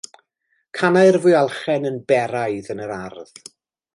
Canai'r fwyalchen yn beraidd yn yr ardd.